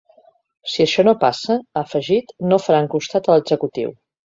Si això no passa, ha afegit, no faran costat a l’executiu.